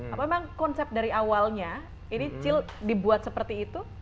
apa memang konsep dari awalnya ini chill dibuat seperti itu